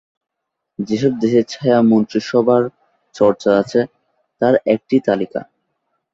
যেসব দেশে ছায়া মন্ত্রিসভার চর্চা আছে, তার একটি তালিকাঃ